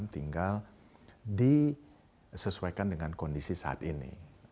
tinggal disesuaikan dengan kondisi saat ini